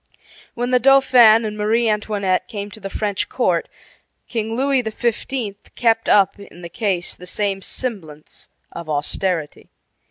When the Dauphin and Marie Antoinette came to the French court King Louis XV. kept up in the case the same semblance of austerity.